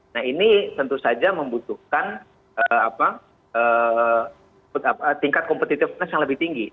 nah ini tentu saja membutuhkan tingkat competitiveness yang lebih tinggi